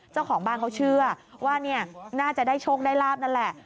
เจ้าของบ้านเขาเชื่อว่าน่าจะได้โชคได้ลาบนั่นแหละ